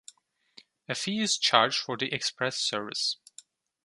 A fee is charged for the express service.